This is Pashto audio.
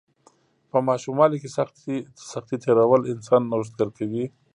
په ماشوموالي کې سختۍ تیرول انسان نوښتګر کوي.